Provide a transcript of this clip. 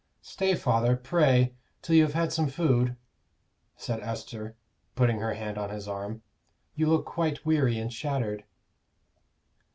"Stay, father, pray, till you have had some food," said Esther, putting her hand on his arm. "You look quite weary and shattered."